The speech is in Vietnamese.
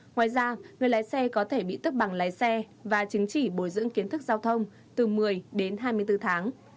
ngoài ra người lái xe có thể bị tức bằng lái xe và chứng chỉ bồi dưỡng kiến thức giao thông từ một mươi đến hai mươi bốn tháng